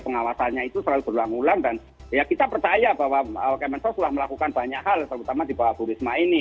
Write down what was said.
pengawasannya itu selalu berulang ulang dan ya kita percaya bahwa kementerian sosial pertama sudah melakukan banyak hal terutama di bawah purisma ini